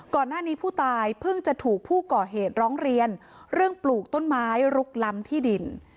ก่อนหน้านี้ผู้ตายเพิ่งจะถูกผู้ก่อเหตุร้องเรียนเรื่องปลูกต้นไม้ลุกล้ำที่ดิน